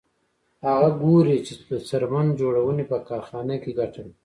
هغه ګوري چې د څرمن جوړونې په کارخانه کې ګټه ده